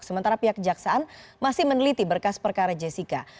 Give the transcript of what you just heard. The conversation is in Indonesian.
sementara pihak jaksaan masih meneliti berkas perkara jessica